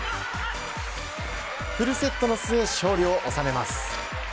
フルセットの末勝利をおさめます。